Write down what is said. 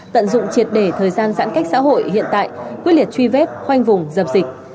tận dụng triệt để thời gian giãn cách xã hội hiện tại quyết liệt truy vết khoanh vùng dập dịch